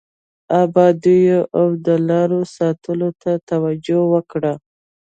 ابادیو او د لارو ساتلو ته توجه وکړه.